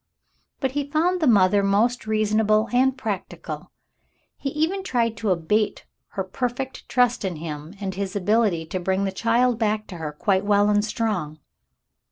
'* But he found the mother most reasonable and practical. He even tried to abate her perfect trust in him and his ability to bring the child back to her quite well and strong.